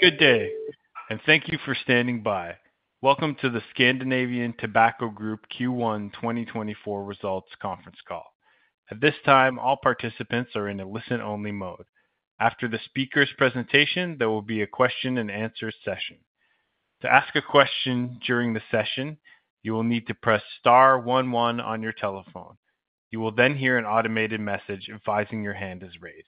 Good day, and thank you for standing by. Welcome to the Scandinavian Tobacco Group Q1 2024 results conference call. At this time, all participants are in a listen-only mode. After the speaker's presentation, there will be a question and answer session. To ask a question during the session, you will need to press star one one on your telephone. You will then hear an automated message advising your hand is raised.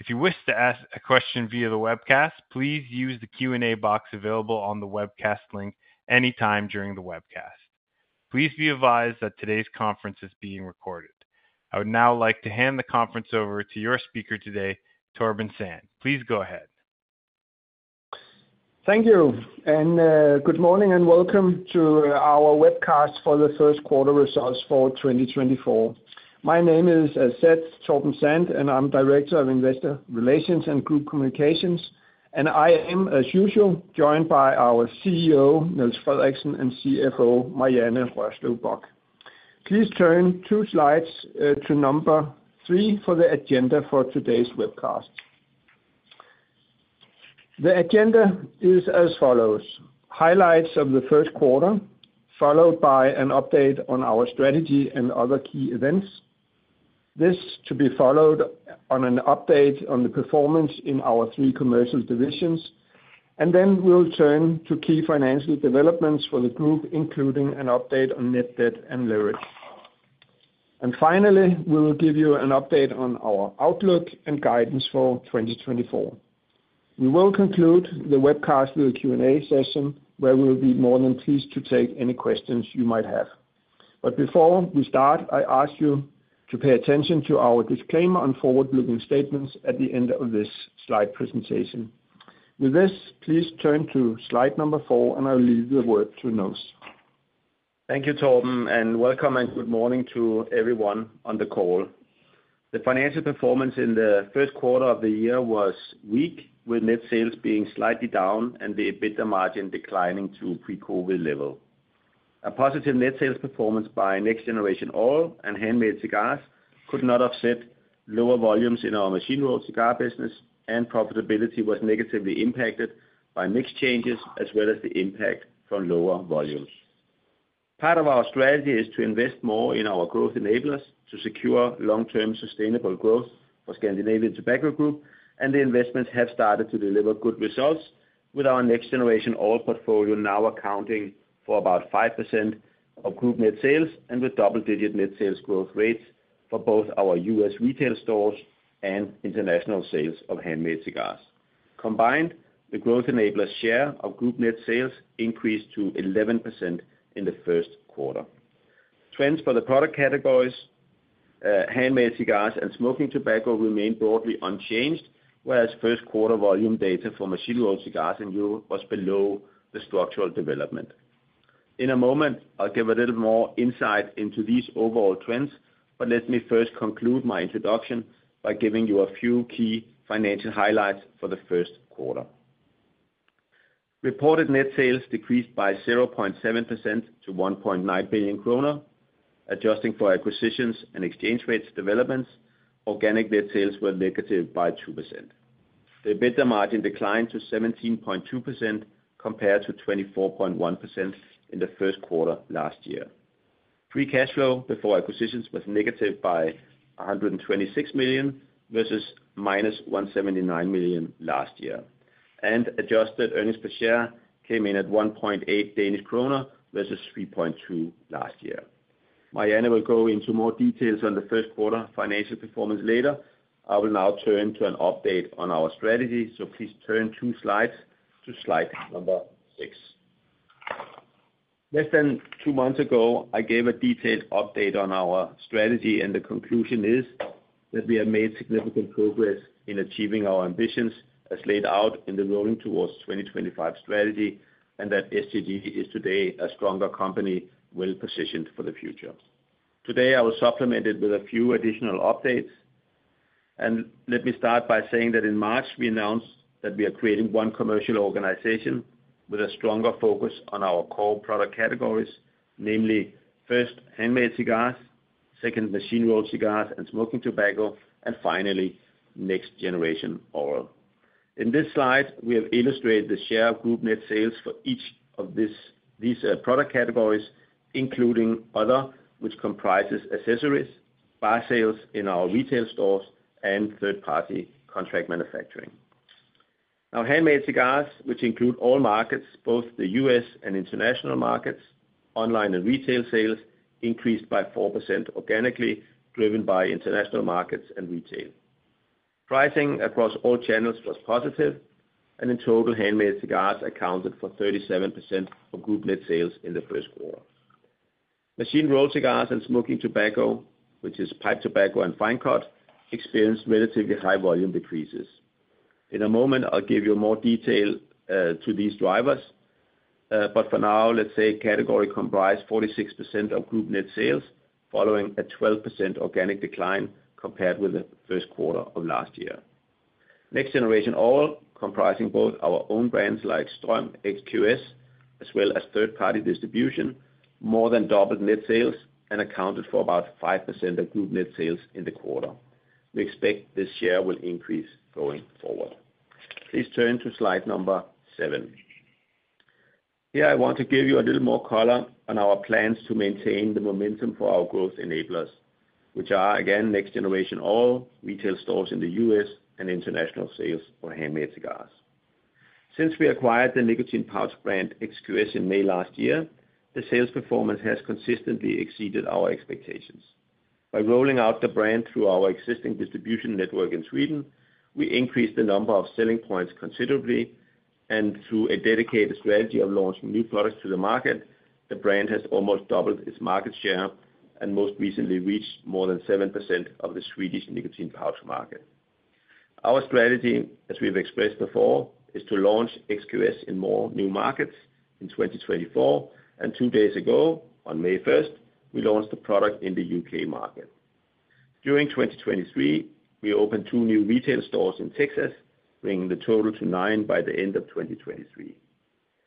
If you wish to ask a question via the webcast, please use the Q&A box available on the webcast link anytime during the webcast. Please be advised that today's conference is being recorded. I would now like to hand the conference over to your speaker today, Torben Sand. Please go ahead. Thank you, and good morning, and welcome to our webcast for the first quarter results for 2024. My name is, as said, Torben Sand, and I'm Director of Investor Relations and Group Communications, and I am, as usual, joined by our CEO, Niels Frederiksen, and CFO, Marianne Rørslev Bock. Please turn two slides to number three for the agenda for today's webcast. The agenda is as follows: highlights of the first quarter, followed by an update on our strategy and other key events. This to be followed by an update on the performance in our three commercial divisions, and then we'll turn to key financial developments for the group, including an update on net debt and leverage. And finally, we will give you an update on our outlook and guidance for 2024. We will conclude the webcast with a Q&A session, where we'll be more than pleased to take any questions you might have. But before we start, I ask you to pay attention to our disclaimer on forward-looking statements at the end of this slide presentation. With this, please turn to slide number four, and I'll leave the word to Niels. Thank you, Torben, and welcome and good morning to everyone on the call. The financial performance in the first quarter of the year was weak, with net sales being slightly down and the EBITDA margin declining to pre-COVID level. A positive net sales performance by next-generation oral and handmade cigars could not offset lower volumes in our machine-rolled cigar business, and profitability was negatively impacted by mix changes as well as the impact from lower volumes. Part of our strategy is to invest more in our growth enablers to secure long-term sustainable growth for Scandinavian Tobacco Group, and the investments have started to deliver good results with our next-generation oral portfolio now accounting for about 5% of group net sales and with double-digit net sales growth rates for both our U.S. retail stores and international sales of handmade cigars. Combined, the growth enablers' share of group net sales increased to 11% in the first quarter. Trends for the product categories, handmade cigars and smoking tobacco remained broadly unchanged, whereas first quarter volume data for machine-rolled cigars in Europe was below the structural development. In a moment, I'll give a little more insight into these overall trends, but let me first conclude my introduction by giving you a few key financial highlights for the first quarter. Reported net sales decreased by 0.7% to 1.9 billion kroner, adjusting for acquisitions and exchange rates developments. Organic net sales were negative by 2%. The EBITDA margin declined to 17.2% compared to 24.1% in the first quarter last year. Free cash flow before acquisitions was negative by 126 million versus minus 179 million last year, and adjusted earnings per share came in at 1.8 Danish kroner versus 3.2 DKK last year. Marianne will go into more details on the first quarter financial performance later. I will now turn to an update on our strategy, so please turn two slides to slide number six. Less than two months ago, I gave a detailed update on our strategy, and the conclusion is that we have made significant progress in achieving our ambitions as laid out in the Rolling Towards 2025 strategy, and that STG is today a stronger company, well positioned for the future. Today, I will supplement it with a few additional updates. Let me start by saying that in March, we announced that we are creating one commercial organization with a stronger focus on our core product categories, namely, first, handmade cigars, second, machine-rolled cigars and smoking tobacco, and finally, Next Generation Oral. In this slide, we have illustrated the share of group net sales for each of these product categories, including other, which comprises accessories, bar sales in our retail stores, and third-party contract manufacturing. Now, handmade cigars, which include all markets, both the U.S. and international markets, online and retail sales increased by 4% organically, driven by international markets and retail. Pricing across all channels was positive, and in total, handmade cigars accounted for 37% of group net sales in the first quarter. Machine-rolled cigars and smoking tobacco, which is pipe tobacco and fine-cut, experienced relatively high volume decreases. In a moment, I'll give you more detail to these drivers, but for now, let's say category comprised 46% of group net sales, following a 12% organic decline compared with the first quarter of last year. Next Generation Oral, comprising both our own brands like STRÖM, XQS— as well as third-party distribution, more than doubled net sales and accounted for about 5% of group net sales in the quarter. We expect this share will increase going forward. Please turn to slide number seven. Here, I want to give you a little more color on our plans to maintain the momentum for our growth enablers, which are, again, Next Generation Oral, U.S. retail stores in the U.S. and international sales for handmade cigars. Since we acquired the nicotine pouch brand XQS in May last year, the sales performance has consistently exceeded our expectations. By rolling out the brand through our existing distribution network in Sweden, we increased the number of selling points considerably, and through a dedicated strategy of launching new products to the market, the brand has almost doubled its market share, and most recently reached more than 7% of the Swedish nicotine pouch market. Our strategy, as we've expressed before, is to launch XQS in more new markets in 2024, and two days ago, on May first, we launched the product in the U.K. market. During 2023, we opened twonew retail stores in Texas, bringing the total to nine by the end of 2023.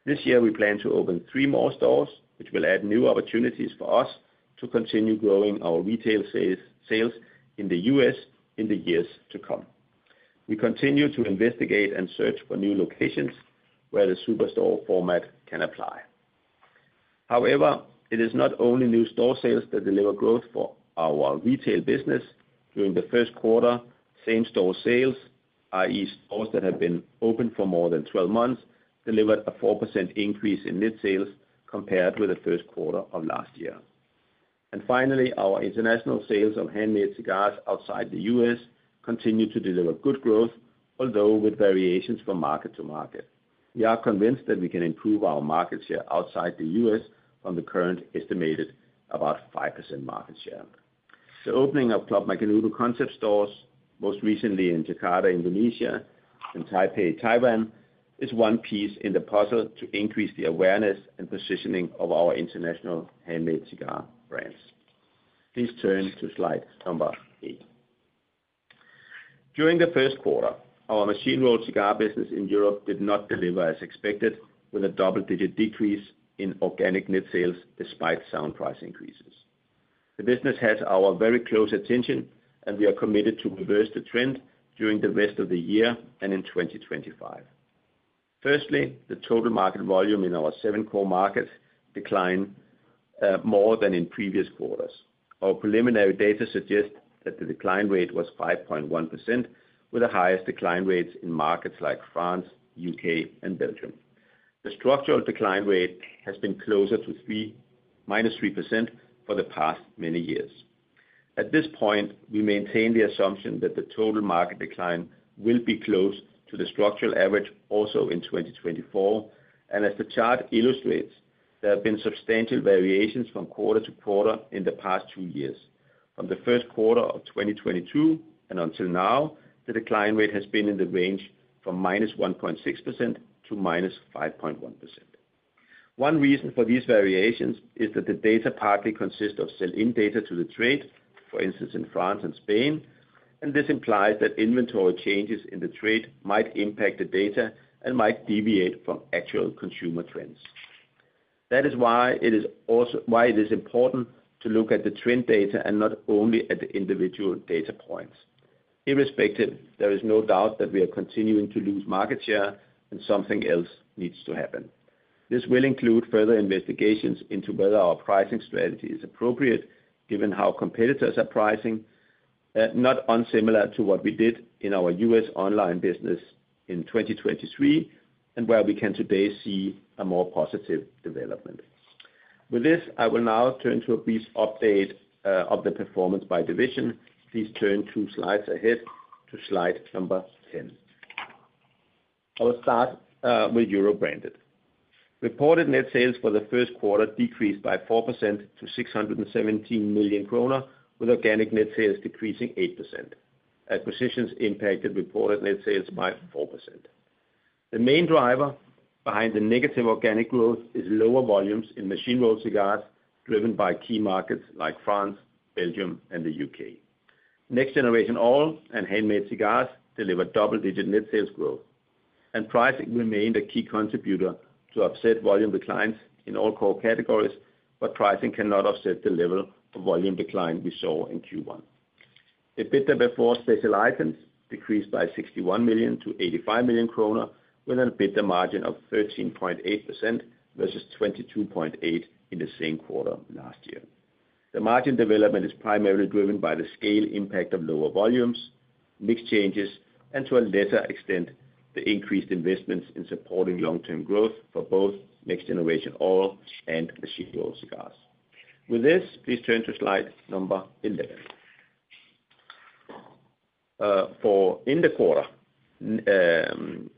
This year, we plan to open three more stores, which will add new opportunities for us to continue growing our retail sales, sales in the U.S. in the years to come. We continue to investigate and search for new locations where the super store format can apply. However, it is not only new store sales that deliver growth for our retail business. During the first quarter, same-store sales, i.e., stores that have been open for more than 12 months, delivered a 4% increase in net sales compared with the first quarter of last year. Finally, our international sales of handmade cigars outside the U.S. continue to deliver good growth, although with variations from market to market. We are convinced that we can improve our market share outside the U.S. from the current estimated about 5% market share. The opening of Club Macanudo concept stores, most recently in Jakarta, Indonesia, and Taipei, Taiwan, is one piece in the puzzle to increase the awareness and positioning of our international handmade cigar brands. Please turn to slide number 8. During the first quarter, our machine-rolled cigar business in Europe did not deliver as expected, with a double-digit decrease in organic net sales, despite sound price increases. The business has our very close attention, and we are committed to reverse the trend during the rest of the year and in 2025. Firstly, the total market volume in our seven core markets declined more than in previous quarters. Our preliminary data suggests that the decline rate was 5.1%, with the highest decline rates in markets like France, UK, and Belgium. The structural decline rate has been closer to minus 3% for the past many years. At this point, we maintain the assumption that the total market decline will be close to the structural average also in 2024, and as the chart illustrates, there have been substantial variations from quarter to quarter in the past two years. From the first quarter of 2022 and until now, the decline rate has been in the range from -1.6% to -5.1%. One reason for these variations is that the data partly consists of sell-in data to the trade, for instance, in France and Spain, and this implies that inventory changes in the trade might impact the data and might deviate from actual consumer trends. That is why it is important to look at the trend data and not only at the individual data points. Irrespective, there is no doubt that we are continuing to lose market share and something else needs to happen. This will include further investigations into whether our pricing strategy is appropriate, given how competitors are pricing, not unsimilar to what we did in our U.S. online business in 2023, and where we can today see a more positive development. With this, I will now turn to a brief update of the performance by division. Please turn two slides ahead to slide number 10. I will start with Europe Branded. Reported net sales for the first quarter decreased by 4% to 617 million kroner, with organic net sales decreasing 8%. Acquisitions impacted reported net sales by 4%. The main driver behind the negative organic growth is lower volumes in machine-rolled cigars, driven by key markets like France, Belgium, and the U.K. Next Generation Oral and handmade cigars delivered double-digit net sales growth, and pricing remained a key contributor to offset volume declines in all core categories, but pricing cannot offset the level of volume decline we saw in Q1. EBITDA before special items decreased by 61 million to 85 million kroner, with an EBITDA margin of 13.8% versus 22.8% in the same quarter last year. The margin development is primarily driven by the scale impact of lower volumes, mix changes, and to a lesser extent, the increased investments in supporting long-term growth for both next-generation oral and machine-rolled cigars. With this, please turn to slide 11. For the quarter,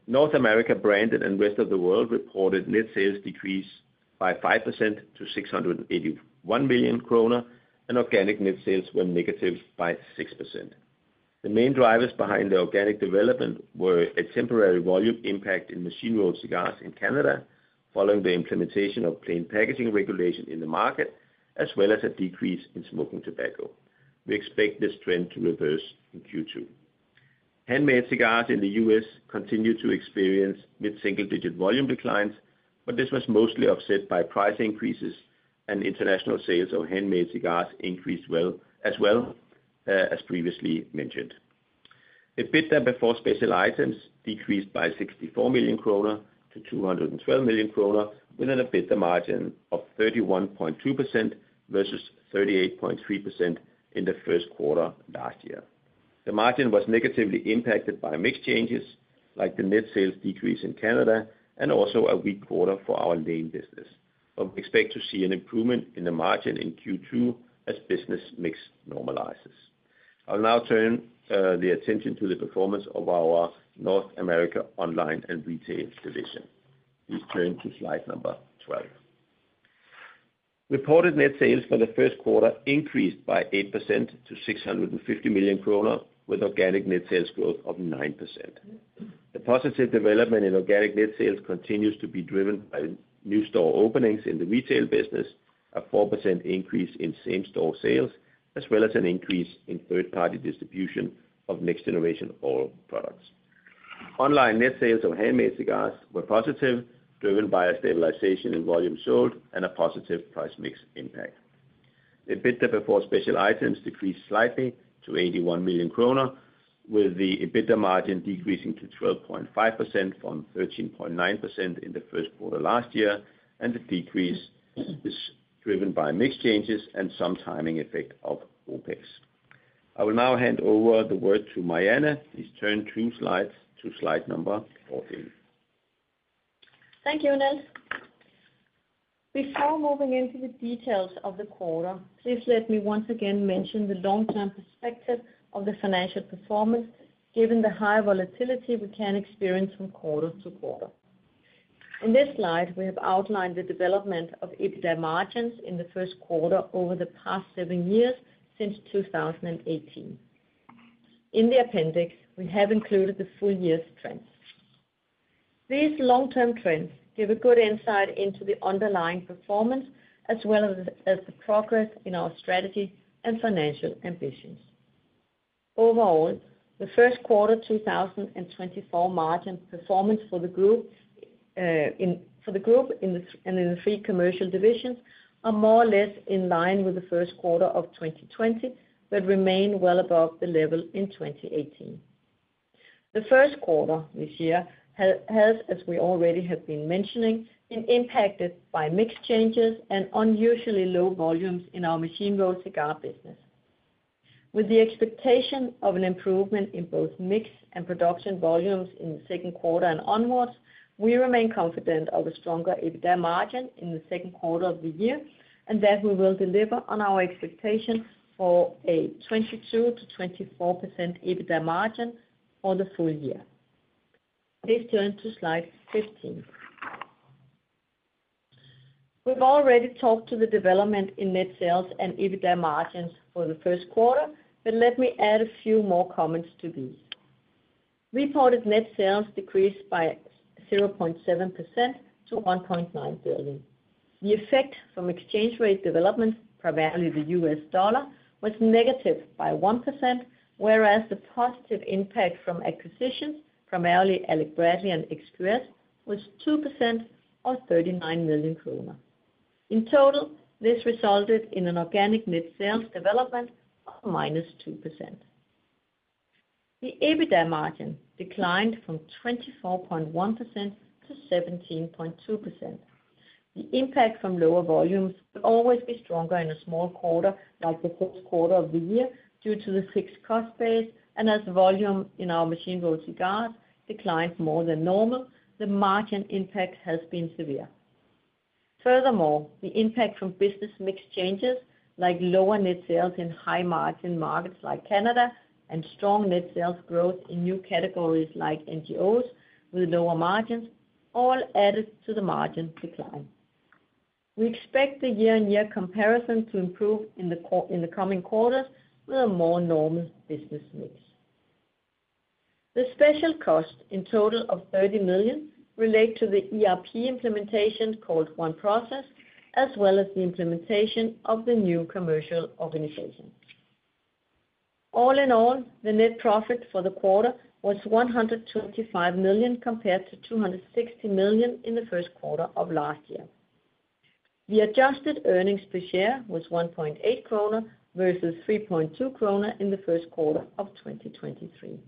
North America Branded and Rest of the World reported net sales decreased by 5% to 681 million kroner, and organic net sales were negative by 6%. The main drivers behind the organic development were a temporary volume impact in machine-rolled cigars in Canada, following the implementation of plain packaging regulation in the market, as well as a decrease in smoking tobacco. We expect this trend to reverse in Q2... Handmade cigars in the U.S. continue to experience mid-single digit volume declines, but this was mostly offset by price increases, and international sales of handmade cigars increased well, as well, as previously mentioned. EBITDA before special items decreased by 64 million kroner to 212 million kroner, with an EBITDA margin of 31.2% versus 38.3% in the first quarter last year. The margin was negatively impacted by mix changes, like the net sales decrease in Canada, and also a weak quarter for our Lane business. But we expect to see an improvement in the margin in Q2 as business mix normalizes. I'll now turn the attention to the performance of our North America online and retail division. Please turn to slide 12. Reported net sales for the first quarter increased by 8% to 650 million kroner, with organic net sales growth of 9%. The positive development in organic net sales continues to be driven by new store openings in the retail business, a 4% increase in same-store sales, as well as an increase in third-party distribution of next-generation oral products. Online net sales of handmade cigars were positive, driven by a stabilization in volume sold and a positive price mix impact. EBITDA before special items decreased slightly to 81 million kroner, with the EBITDA margin decreasing to 12.5% from 13.9% in the first quarter last year, and the decrease is driven by mix changes and some timing effect of OpEx. I will now hand over the word to Marianne. Please turn 3 slides to slide number 14. Thank you, Niels. Before moving into the details of the quarter, please let me once again mention the long-term perspective of the financial performance, given the high volatility we can experience from quarter to quarter. In this slide, we have outlined the development of EBITDA margins in the first quarter over the past seven years, since 2018. In the appendix, we have included the full year's trends. These long-term trends give a good insight into the underlying performance, as well as the progress in our strategy and financial ambitions. Overall, the first quarter 2024 margin performance for the group and in the three commercial divisions are more or less in line with the first quarter of 2020, but remain well above the level in 2018. The first quarter this year has, as we already have been mentioning, been impacted by mix changes and unusually low volumes in our machine-rolled cigar business. With the expectation of an improvement in both mix and production volumes in the second quarter and onwards, we remain confident of a stronger EBITDA margin in the second quarter of the year, and that we will deliver on our expectations for a 22%-24% EBITDA margin for the full year. Please turn to slide 15. We've already talked to the development in net sales and EBITDA margins for the first quarter, but let me add a few more comments to these. Reported net sales decreased by 0.7% to 1.9 billion. The effect from exchange rate development, primarily the US dollar, was negative by 1%, whereas the positive impact from acquisitions, primarily Alec Bradley and XIKAR, was 2% or 39 million krone. In total, this resulted in an organic net sales development of -2%. The EBITDA margin declined from 24.1% to 17.2%. The impact from lower volumes will always be stronger in a small quarter, like the first quarter of the year, due to the fixed cost base, and as volume in our machine-rolled cigars declines more than normal, the margin impact has been severe. Furthermore, the impact from business mix changes, like lower net sales in high-margin markets like Canada, and strong net sales growth in new categories like NGOs with lower margins, all added to the margin decline. We expect the year-on-year comparison to improve in the coming quarters with a more normal business mix. The special cost, in total of 30 million, relate to the ERP implementation, called One Process, as well as the implementation of the new commercial organization. All in all, the net profit for the quarter was 125 million, compared to 260 million in the first quarter of last year. The adjusted earnings per share was 1.8 kroner, versus 3.2 kroner in the first quarter of 2023.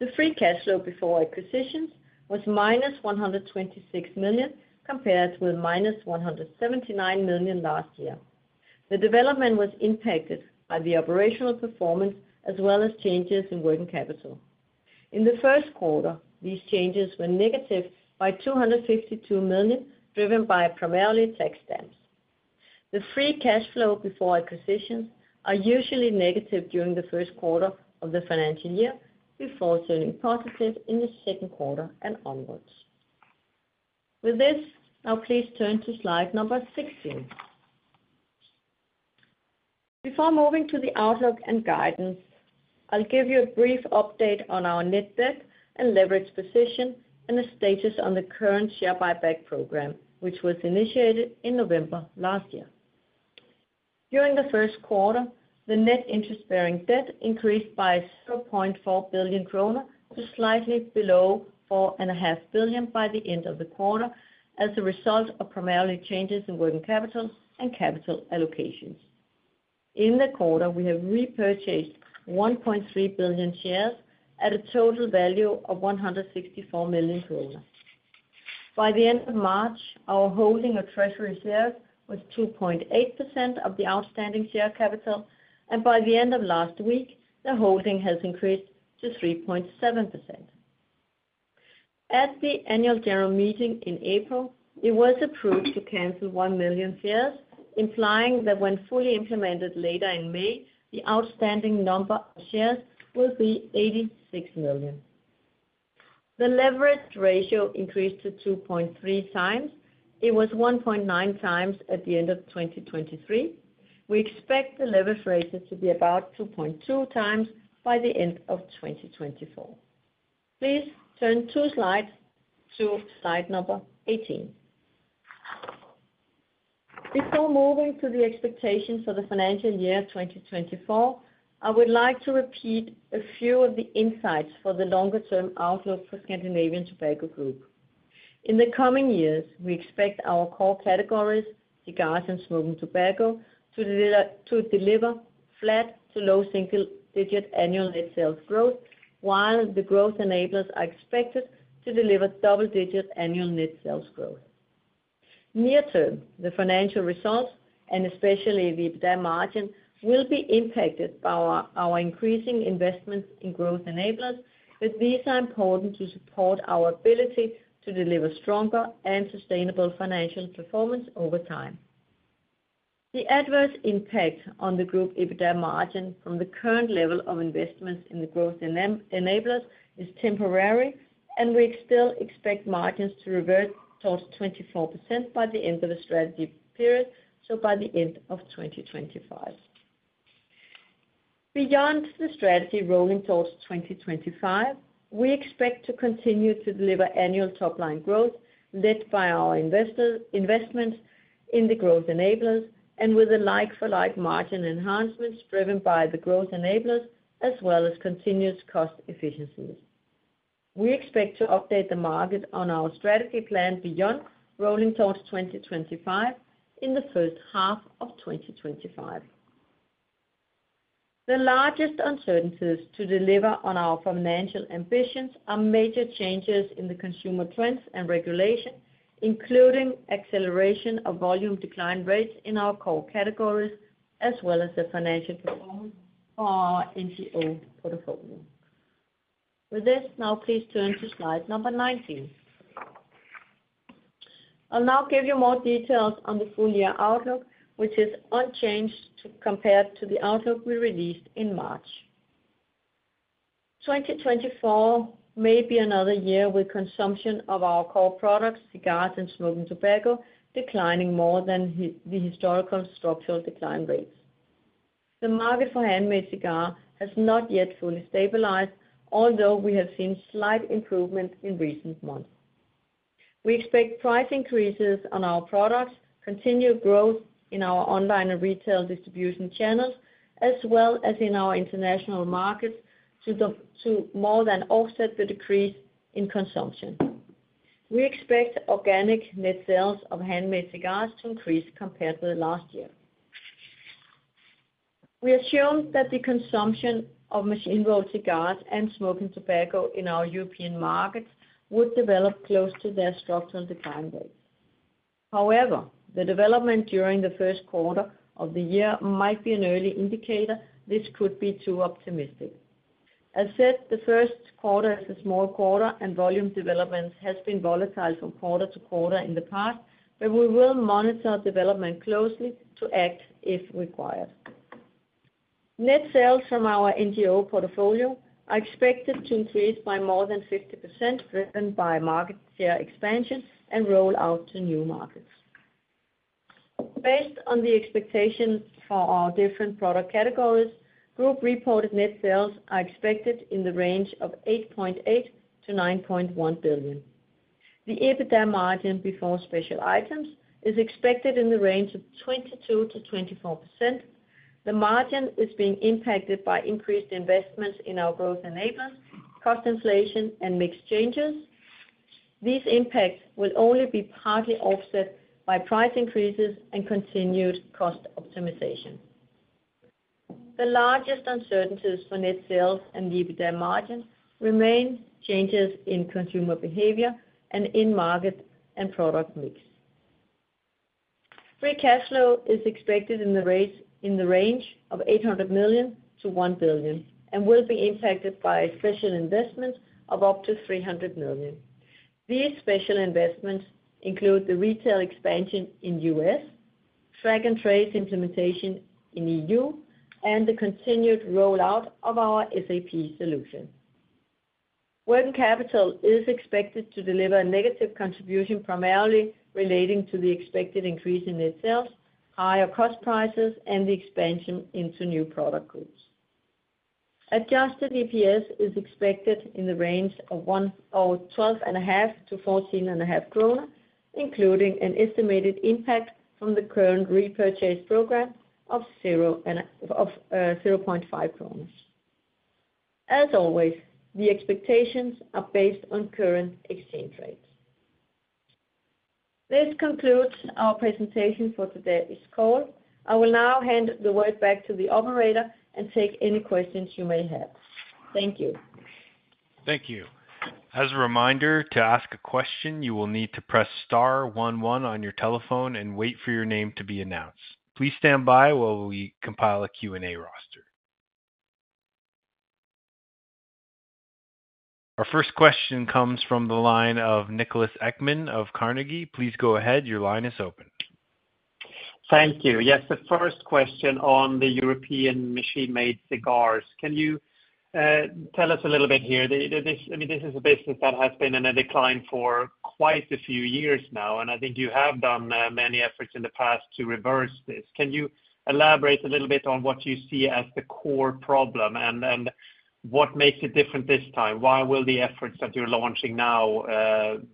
The free cash flow before acquisitions was -126 million, compared with -179 million last year. The development was impacted by the operational performance, as well as changes in working capital. In the first quarter, these changes were negative by 252 million, driven by primarily tax stamps. The free cash flow before acquisitions are usually negative during the first quarter of the financial year, before turning positive in the second quarter and onwards. With this, now please turn to slide number 16. Before moving to the outlook and guidance, I'll give you a brief update on our net debt and leverage position, and the status on the current share buyback program, which was initiated in November last year. During the first quarter, the net interest-bearing debt increased by 0.4 billion kroner to slightly below 4.5 billion by the end of the quarter, as a result of primarily changes in working capital and capital allocations. In the quarter, we have repurchased 1.3 billion shares at a total value of 164 million kroner. By the end of March, our holding of treasury shares was 2.8% of the outstanding share capital, and by the end of last week, the holding has increased to 3.7%. At the annual general meeting in April, it was approved to cancel 1 million shares, implying that when fully implemented later in May, the outstanding number of shares will be 86 million. The leverage ratio increased to 2.3x. It was 1.9x at the end of 2023. We expect the leverage ratio to be about 2x by the end of 2024. Please turn two slides to slide number 18. Before moving to the expectations for the financial year 2024, I would like to repeat a few of the insights for the longer-term outlook for Scandinavian Tobacco Group. In the coming years, we expect our core categories, cigars and smoking tobacco, to deliver flat to low single-digit annual net sales growth, while the growth enablers are expected to deliver double-digit annual net sales growth. Near term, the financial results, and especially the EBITDA margin, will be impacted by our increasing investments in growth enablers, but these are important to support our ability to deliver stronger and sustainable financial performance over time. The adverse impact on the group EBITDA margin from the current level of investments in the growth enablers is temporary, and we still expect margins to revert towards 24% by the end of the strategy period, so by the end of 2025. Beyond the strategy Rolling Towards 2025, we expect to continue to deliver annual top-line growth, led by our investments in the growth enablers, and with like-for-like margin enhancements driven by the growth enablers, as well as continuous cost efficiencies. We expect to update the market on our strategy plan beyond Rolling Towards 2025, in the first half of 2025. The largest uncertainties to deliver on our financial ambitions are major changes in the consumer trends and regulation, including acceleration of volume decline rates in our core categories, as well as the financial performance for our NGO portfolio. With this, now please turn to slide number 19. I'll now give you more details on the full year outlook, which is unchanged, compared to the outlook we released in March. 2024 may be another year with consumption of our core products, cigars and smoking tobacco, declining more than the historical structural decline rates. The market for handmade cigar has not yet fully stabilized, although we have seen slight improvement in recent months. We expect price increases on our products, continued growth in our online and retail distribution channels, as well as in our international markets to more than offset the decrease in consumption. We expect organic net sales of handmade cigars to increase compared to the last year. We assume that the consumption of machine-rolled cigars and smoking tobacco in our European markets would develop close to their structural decline rates. However, the development during the first quarter of the year might be an early indicator this could be too optimistic. As said, the first quarter is a small quarter, and volume development has been volatile from quarter to quarter in the past, but we will monitor development closely to act if required. Net sales from our NGO portfolio are expected to increase by more than 50%, driven by market share expansion and roll out to new markets. Based on the expectations for our different product categories, group reported net sales are expected in the range of 8.8 billion-9.1 billion. The EBITDA margin before special items is expected in the range of 22%-24%. The margin is being impacted by increased investments in our growth enablers, cost inflation, and mix changes. These impacts will only be partly offset by price increases and continued cost optimization. The largest uncertainties for net sales and the EBITDA margin remain changes in consumer behavior and in market and product mix. Free cash flow is expected in the range, in the range of 800 million-1 billion and will be impacted by special investments of up to 300 million. These special investments include the retail expansion in U.S., track and trace implementation in E.U., and the continued rollout of our SAP solution. Working capital is expected to deliver a negative contribution, primarily relating to the expected increase in net sales, higher cost prices, and the expansion into new product groups. Adjusted EPS is expected in the range of twelve and a half to fourteen and a half kroner, including an estimated impact from the current repurchase program of zero and, of, zero point five kroners. As always, the expectations are based on current exchange rates. This concludes our presentation for today's call. I will now hand the word back to the operator and take any questions you may have. Thank you. Thank you. As a reminder, to ask a question, you will need to press star one one on your telephone and wait for your name to be announced. Please stand by while we compile a Q&A roster. Our first question comes from the line of Niklas Ekman of Carnegie. Please go ahead. Your line is open. Thank you. Yes, the first question on the European machine-rolled cigars. Can you tell us a little bit here? This, I mean, this is a business that has been in a decline for quite a few years now, and I think you have done many efforts in the past to reverse this. Can you elaborate a little bit on what you see as the core problem, and what makes it different this time? Why will the efforts that you're launching now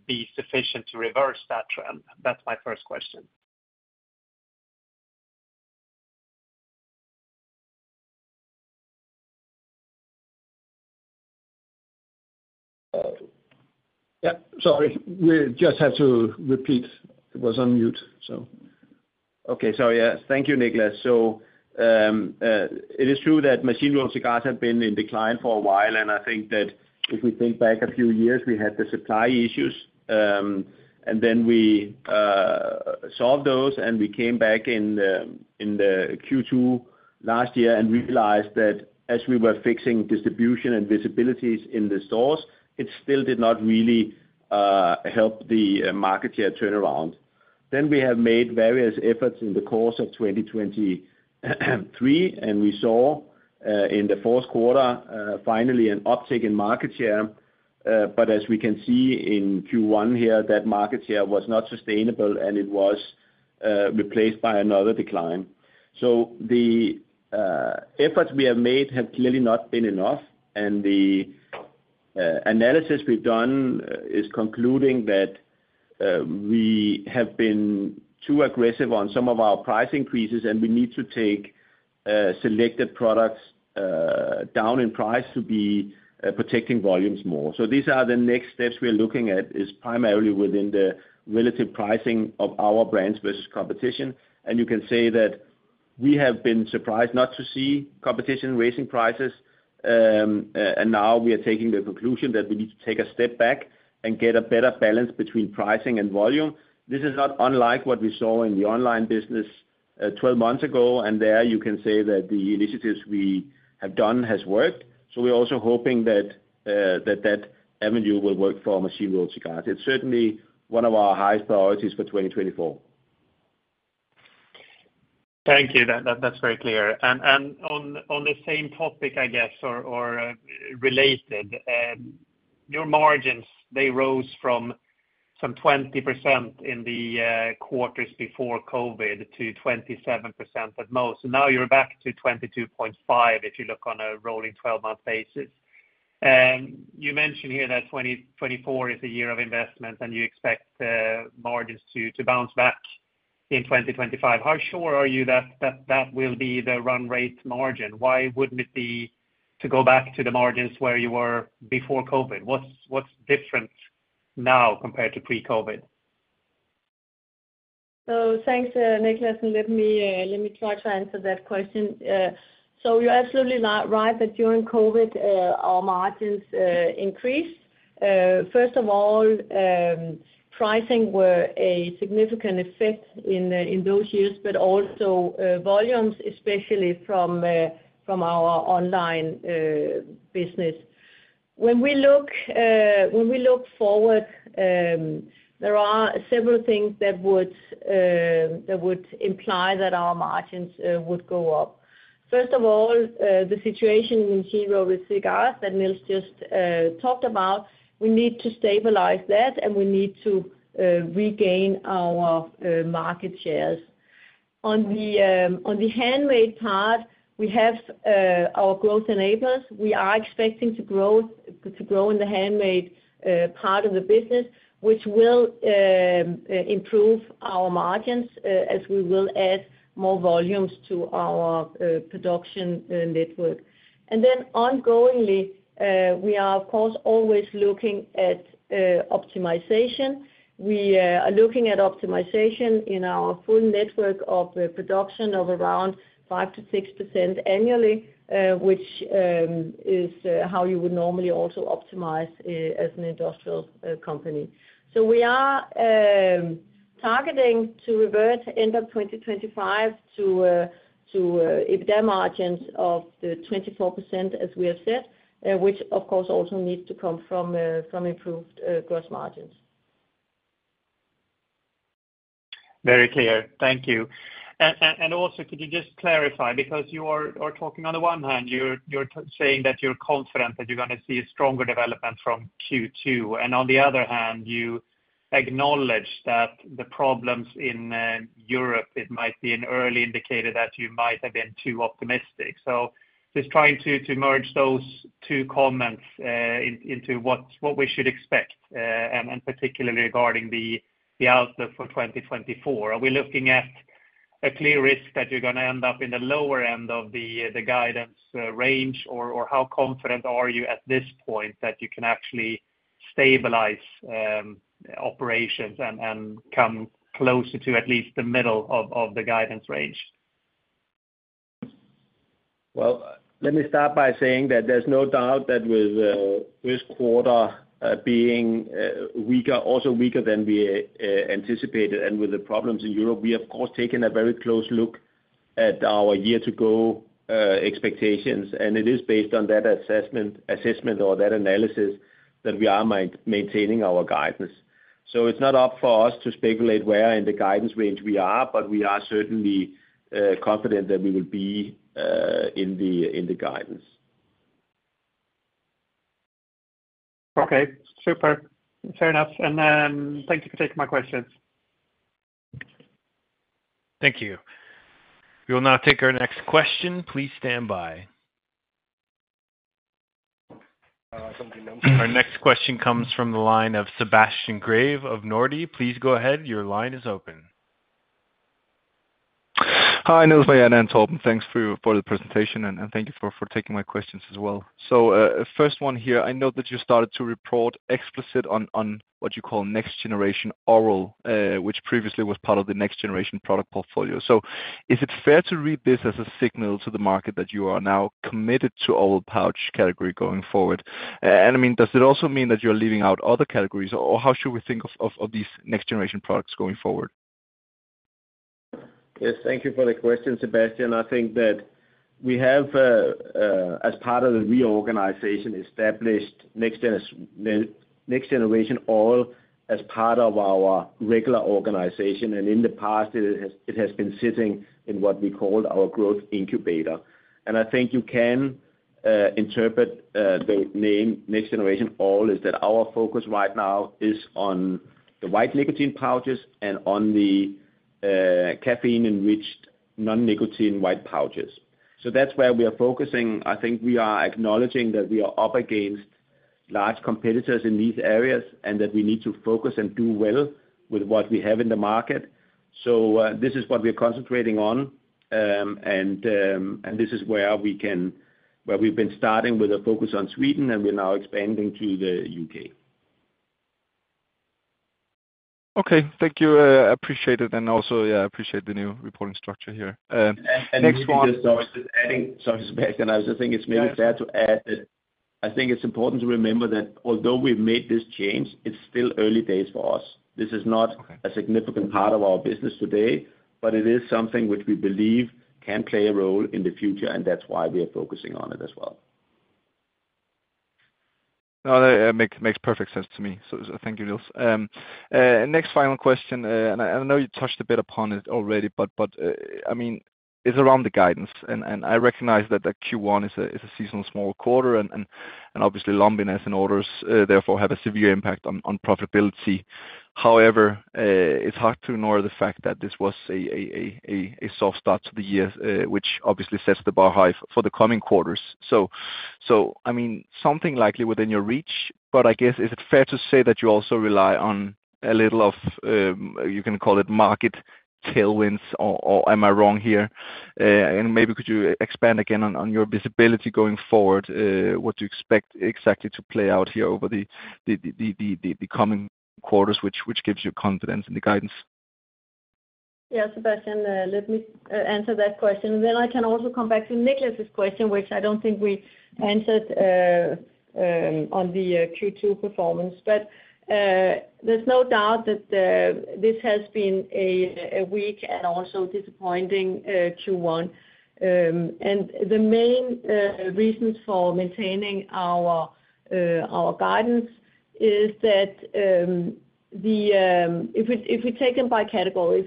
be sufficient to reverse that trend? That's my first question. Yeah, sorry. We just had to repeat. It was on mute, so. Okay, sorry. Yes. Thank you, Niklas. So, it is true that machine-rolled cigars have been in decline for a while, and I think that if we think back a few years, we had the supply issues. And then we solved those, and we came back in, in the Q2 last year and realized that as we were fixing distribution and visibility in the stores, it still did not really help the market share turnaround. Then we have made various efforts in the course of 2023, and we saw, in the fourth quarter, finally an uptick in market share. But as we can see in Q1 here, that market share was not sustainable, and it was replaced by another decline. So the efforts we have made have clearly not been enough, and the analysis we've done is concluding that we have been too aggressive on some of our price increases, and we need to take selected products down in price to be protecting volumes more. So these are the next steps we are looking at, is primarily within the relative pricing of our brands versus competition. And you can say that we have been surprised not to see competition raising prices, and now we are taking the conclusion that we need to take a step back and get a better balance between pricing and volume. This is not unlike what we saw in the online business, 12 months ago, and there you can say that the initiatives we have done has worked. So we're also hoping that avenue will work for machine-rolled cigars. It's certainly one of our highest priorities for 2024. Thank you. That's very clear. And on the same topic, I guess, or related, your margins, they rose from some 20% in the quarters before COVID to 27% at most. Now you're back to 22.5, if you look on a rolling 12-month basis. You mentioned here that 2024 is a year of investment, and you expect margins to bounce back in 2025. How sure are you that that will be the run rate margin? Why wouldn't it be to go back to the margins where you were before COVID? What's different now compared to pre-COVID? So thanks, Niklas, and let me try to answer that question. So you're absolutely not right that during COVID, our margins increased. First of all, pricing were a significant effect in those years, but also, volumes, especially from our online business. When we look forward, there are several things that would imply that our margins would go up. First of all, the situation in machine-rolled cigars that Niels just talked about, we need to stabilize that, and we need to regain our market shares. On the handmade part, we have our growth enablers. We are expecting to grow, to grow in the handmade part of the business, which will improve our margins as we will add more volumes to our production network. And then ongoingly, we are, of course, always looking at optimization. We are looking at optimization in our full network of production of around 5%-6% annually, which is how you would normally also optimize as an industrial company. So we are targeting to revert end of 2025 to EBITDA margins of 24%, as we have said, which of course also needs to come from improved gross margins. Very clear. Thank you. Also, could you just clarify, because you are talking on the one hand, you're saying that you're confident that you're gonna see a stronger development from Q2. And on the other hand, you acknowledge that the problems in Europe might be an early indicator that you might have been too optimistic. So just trying to merge those two comments into what we should expect, and particularly regarding the outlook for 2024. Are we looking at a clear risk that you're gonna end up in the lower end of the guidance range? Or how confident are you at this point that you can actually stabilize operations and come closer to at least the middle of the guidance range? Well, let me start by saying that there's no doubt that with this quarter being weaker, also weaker than we anticipated, and with the problems in Europe, we have of course taken a very close look at our year-to-go expectations. And it is based on that assessment or that analysis that we are maintaining our guidance. So it's not up for us to speculate where in the guidance range we are, but we are certainly confident that we will be in the guidance. Okay, super. Fair enough, and thank you for taking my questions. Thank you. We will now take our next question. Please stand by. Our next question comes from the line of Sebastian Grave of Nordea. Please go ahead. Your line is open. Hi, Niels, and Torben. Thanks for the presentation, and thank you for taking my questions as well. First one here, I know that you started to report explicitly on what you call Next Generation Oral, which previously was part of the next generation product portfolio. So is it fair to read this as a signal to the market that you are now committed to oral pouch category going forward? And, I mean, does it also mean that you're leaving out other categories, or how should we think of these next generation products going forward? Yes, thank you for the question, Sebastian. I think that we have, as part of the reorganization, established Next Generation Oral as part of our regular organization, and in the past, it has, it has been sitting in what we call our growth incubator. And I think you can interpret the name Next Generation Oral, is that our focus right now is on the white nicotine pouches and on the caffeine-enriched non-nicotine white pouches. So that's where we are focusing. I think we are acknowledging that we are up against large competitors in these areas, and that we need to focus and do well with what we have in the market. So this is what we are concentrating on. And this is where we can... where we've been starting with a focus on Sweden, and we're now expanding to the UK. Okay. Thank you. Appreciate it, and also, yeah, appreciate the new reporting structure here. Next one- Just adding, sorry, Sebastian, I just think it's maybe fair to add that I think it's important to remember that although we've made this change, it's still early days for us. Okay. This is not a significant part of our business today, but it is something which we believe can play a role in the future, and that's why we are focusing on it as well. No, that makes perfect sense to me, so thank you, Niels. Next final question, and I know you touched a bit upon it already, but I mean, it's around the guidance, and I recognize that the Q1 is a seasonal small quarter and obviously low margins and orders therefore have a severe impact on profitability. However, it's hard to ignore the fact that this was a soft start to the year, which obviously sets the bar high for the coming quarters. So I mean, something likely within your reach, but I guess, is it fair to say that you also rely on a little of, you can call it market tailwinds, or am I wrong here? And maybe could you expand again on your visibility going forward, what you expect exactly to play out here over the coming quarters, which gives you confidence in the guidance? Yeah, Sebastian, let me answer that question, and then I can also come back to Niklas's question, which I don't think we answered on the Q2 performance. But there's no doubt that this has been a weak and also disappointing Q1. And the main reasons for maintaining our guidance is that... If we take them by category,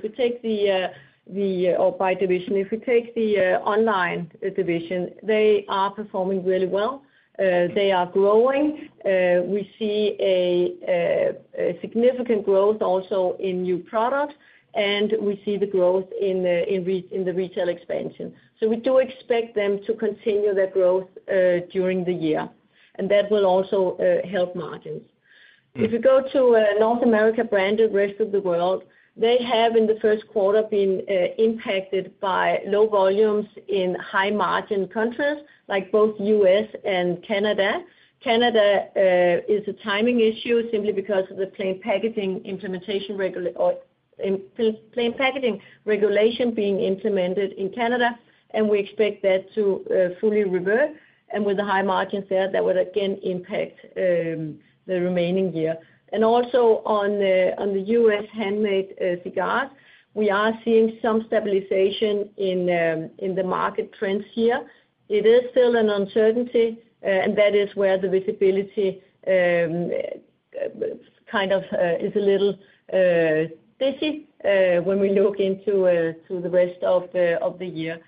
or by division, if we take the online division, they are performing really well. They are growing. We see a significant growth also in new products, and we see the growth in the retail expansion. So we do expect them to continue their growth during the year, and that will also help margins. Mm. If you go to North America, branded and rest of the world, they have, in the first quarter, been impacted by low volumes in high-margin countries like both U.S. and Canada. Canada is a timing issue simply because of the plain packaging regulation being implemented in Canada, and we expect that to fully revert. With the high margins there, that will again impact the remaining year. Also on the U.S. handmade cigars, we are seeing some stabilization in the market trends here. It is still an uncertainty, and that is where the visibility kind of is a little busy when we look into the rest of the year.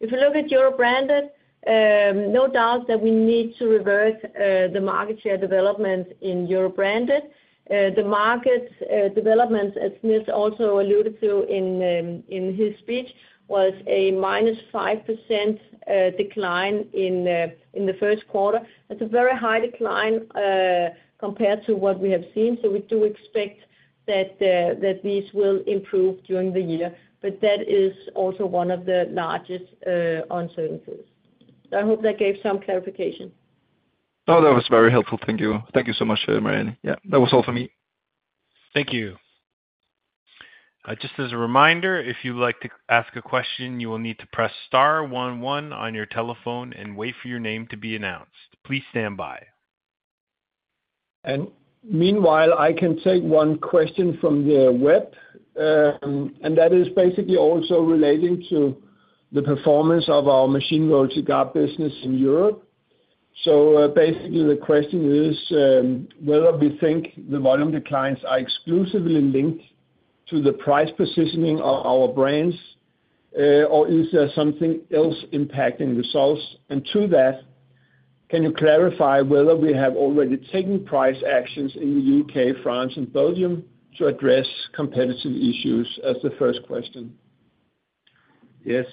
If you look at Europe Branded, no doubt that we need to reverse the market share development in Europe Branded. The market developments, as Niels also alluded to in his speech, was a -5% decline in the first quarter. That's a very high decline compared to what we have seen, so we do expect that these will improve during the year. But that is also one of the largest uncertainties. I hope that gave some clarification. Oh, that was very helpful. Thank you. Thank you so much, Marianne. Yeah, that was all for me. Thank you. Just as a reminder, if you'd like to ask a question, you will need to press star one, one on your telephone and wait for your name to be announced. Please stand by. Meanwhile, I can take one question from the web, and that is basically also relating to the performance of our machine-rolled cigar business in Europe. Basically, the question is whether we think the volume declines are exclusively linked to the price positioning of our brands, or is there something else impacting results? And to that, can you clarify whether we have already taken price actions in the U.K., France, and Belgium to address competitive issues? That's the first question. Yes,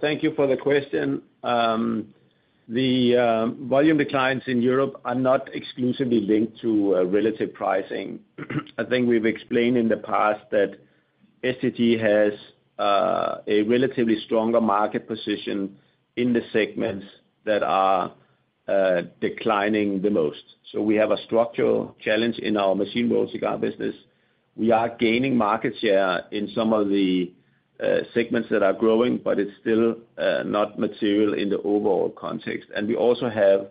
thank you for the question. The volume declines in Europe are not exclusively linked to relative pricing. I think we've explained in the past that STG has a relatively stronger market position in the segments that are declining the most. So we have a structural challenge in our machine-rolled cigar business. We are gaining market share in some of the segments that are growing, but it's still not material in the overall context. We also have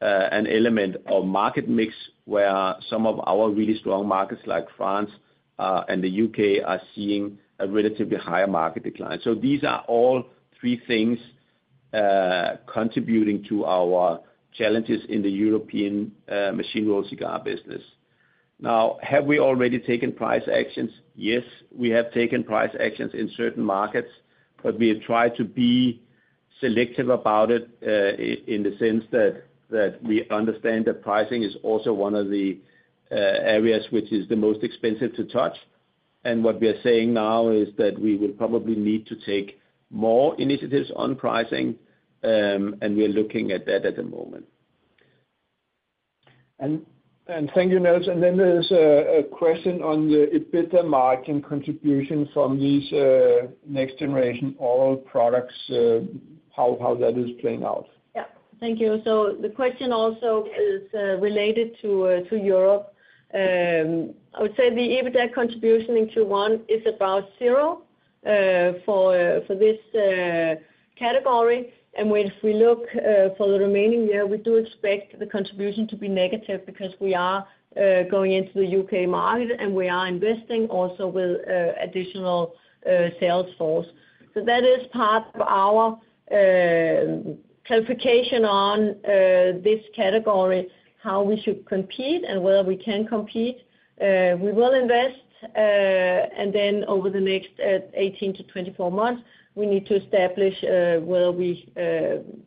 an element of market mix, where some of our really strong markets, like France and the U.K., are seeing a relatively higher market decline. These are all three things contributing to our challenges in the European machine-rolled cigar business. Now, have we already taken price actions? Yes, we have taken price actions in certain markets, but we have tried to be selective about it, in the sense that we understand that pricing is also one of the areas which is the most expensive to touch. What we are saying now is that we will probably need to take more initiatives on pricing, and we are looking at that at the moment. Thank you, Niels. Then there's a question on the EBITDA margin contribution from these Next Generation Oral products, how that is playing out. Yeah. Thank you. So the question also is related to Europe. I would say the EBITDA contribution in Q1 is about zero for this category. And when, if we look for the remaining year, we do expect the contribution to be negative because we are going into the U.K. market, and we are investing also with additional sales force. So that is part of our clarification on this category, how we should compete and where we can compete. We will invest, and then over the next 18-24 months, we need to establish where we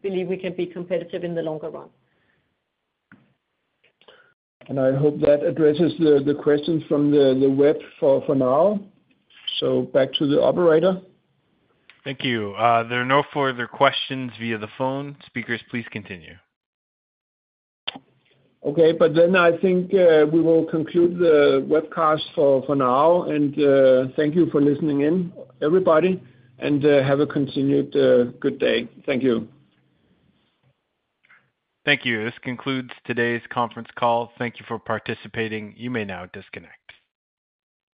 believe we can be competitive in the longer run. I hope that addresses the question from the web for now. So back to the operator. Thank you. There are no further questions via the phone. Speakers, please continue. Okay, but then I think we will conclude the webcast for now, and thank you for listening in, everybody, and have a continued good day. Thank you. Thank you. This concludes today's conference call. Thank you for participating. You may now disconnect.